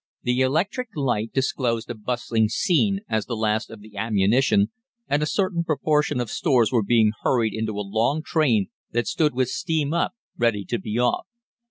"The electric light disclosed a bustling scene as the last of the ammunition and a certain proportion of stores were being hurried into a long train that stood with steam up ready to be off.